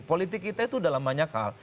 politik kita itu dalam banyak hal